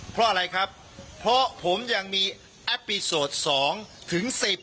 เพราะอะไรครับเพราะผมยังมีแอปปี้โสดสองถึงสิบ